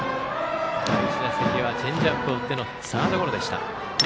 第１打席はチェンジアップを打ってのゴロでした。